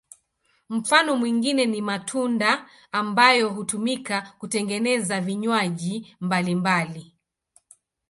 Mfano mwingine ni matunda ambayo hutumika kutengeneza vinywaji mbalimbali.